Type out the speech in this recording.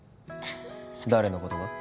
誰のことが？